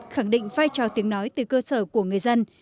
khẳng định vai trò tiếng nói từ cơ sở của người dân